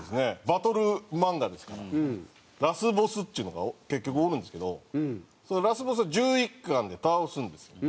バトル漫画ですからラスボスっちゅうのが結局おるんですけどそのラスボスを１１巻で倒すんですよ。